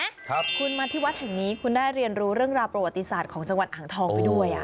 ครับคุณมาที่วัดแห่งนี้คุณได้เรียนรู้เรื่องราวประวัติศาสตร์ของจังหวัดอ่างทองไปด้วยอ่ะ